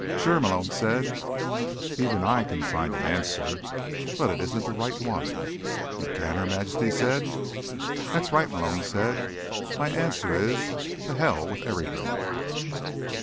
"Sure," Malone said. "Even I can find an answer. But it isn't the right one." "You can?" Her Majesty said. "That's right," Malone said. "My answer is: to hell with everything."